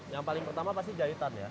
yang paling pertama pasti jahitan ya